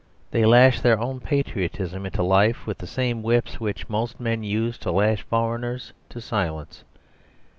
They lash their own patriotism into life with the same whips which most men use to lash foreigners to silence.